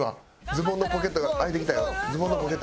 ズボンのポケット開いてきた。